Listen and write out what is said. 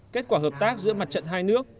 kết quả hợp tác giữa mặt trận hai nước